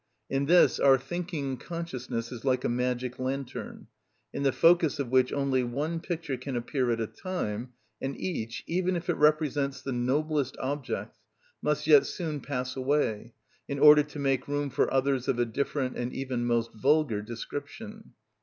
In this our thinking consciousness is like a magic lantern, in the focus of which only one picture can appear at a time, and each, even if it represents the noblest objects, must yet soon pass away in order to make room for others of a different, and even most vulgar, description.